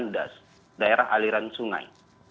sembilan das daerah aliran sungai